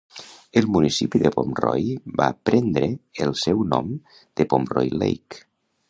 El municipi de Pomroy va prendre el seu nom de Pomroy Lake.